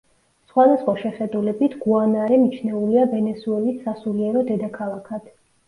სხვადასხვა შეხედულებით გუანარე მიჩნეულია ვენესუელის სასულიერო დედაქალაქად.